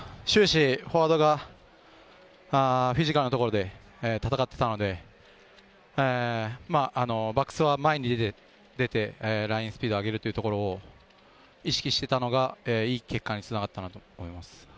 終始フォワードがフィジカルのところで戦っていたので、バックスは前に出て、ラインスピードを上げるというところを意識していたのがいい結果につながったなと思います。